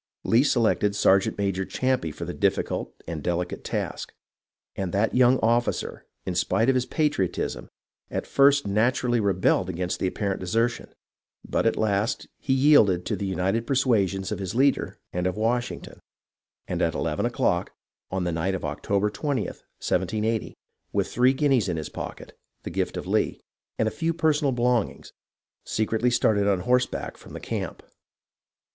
Lee selected Sergeant major Champe for the difficult and delicate task, and that young officer in spite of his patriotism at first naturally rebelled against the apparent desertion ; but at last he yielded to the united persuasions of his leader and of Washington, and at eleven o'clock on the night of October 20th, 1780, with three guineas in his pocket, the gift of Lee, and a few personal belongings, secretly started on horseback from the camp.